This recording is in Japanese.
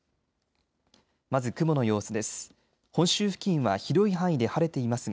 まず雲の様子です。